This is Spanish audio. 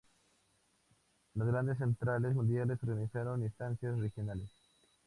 Las grandes centrales mundiales organizaron instancias regionales.